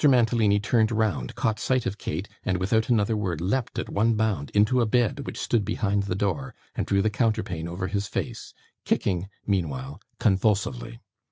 Mantalini turned round, caught sight of Kate, and, without another word, leapt at one bound into a bed which stood behind the door, and drew the counterpane over his face: kicking meanwhile convulsively.